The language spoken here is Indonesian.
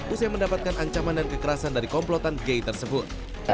usai mendapatkan ancaman dan kekerasan dari komplotan g tersebut